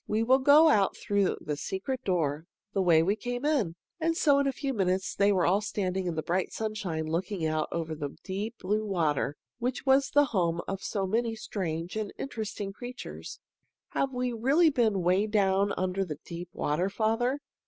We will go out through the secret door, the way we came in." And so, in a few moments, they were all standing in the bright sunshine looking out over the deep blue water which was the home of so many strange and interesting creatures. "Have we really been 'way down under that deep water, father?"